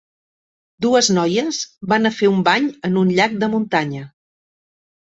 Dues noies van a fer un bany en un llac de muntanya.